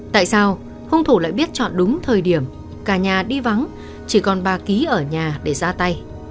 tại sao hung thủ lại biết chọn đúng thời điểm cả nhà đi vắng chỉ còn bà ký ở nhà để ra tay